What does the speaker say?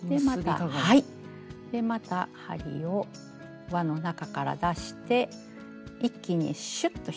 でまた針を輪の中から出して一気にシュッと引っ張ります。